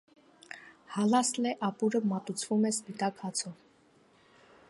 Հալասլե ապուրը մատուցվում է սպիտակ հացով։